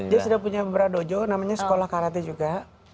ya sudah punya beberapa dojo namanya sekolah karate juga